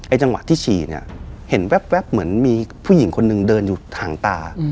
เอ้ยจังหวะที่ฉีเนี้ยเห็นเหมือนมีผู้หญิงคนนึงเดินอยู่ทางตา